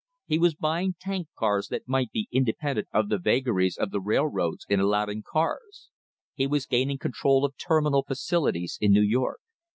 He was buying tank cars that he might be independent of the vagaries of the railroads in allotting cars. He was gaining control of terminal facilities in New York.